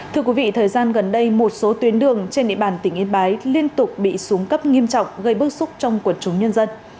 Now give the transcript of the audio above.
thưa quý vị thời gian gần đây một số tuyến đường trên địa bàn tỉnh yên bái liên tục bị xuống cấp nghiêm trọng gây bức xúc trong quần chúng nhân dân